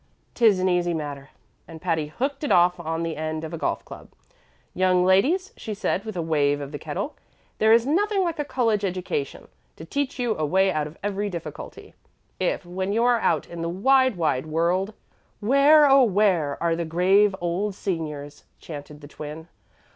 "'Tis an easy matter," and Patty hooked it off on the end of a golf club. "Young ladies," she said, with a wave of the kettle, "there is nothing like a college education to teach you a way out of every difficulty. If, when you are out in the wide, wide world " "Where, oh, where are the grave old seniors?" chanted the Twin.